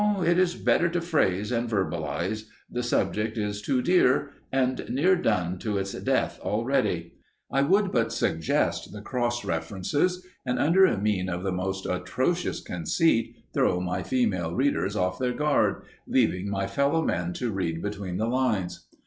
it is better to phrase and verbalize; the subject is too dear, and near done to its death already. I would but suggest the cross references, and, under a mien of the most atrocious conceit, throw my female readers off their guard, leaving my fellow men to read between the lines.